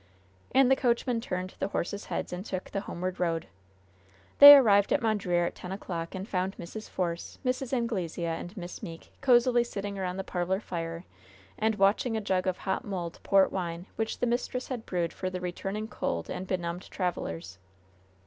And the coachman turned the horses' heads and took the homeward road. They arrived at Mondreer at ten o'clock and found Mrs. Force, Mrs. Anglesea and Miss Meeke cozily sitting around the parlor fire and watching a jug of hot mulled port wine which the mistress had brewed for the returning cold and benumbed travelers.